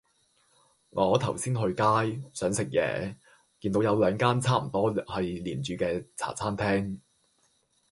我頭先去街,想食野見到有兩間差唔多係連住既茶餐廳